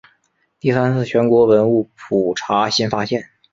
第三次全国文物普查新发现。